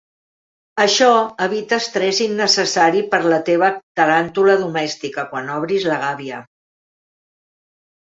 Això evita estrès innecessari per la teva taràntula domèstica quan obris la gàbia.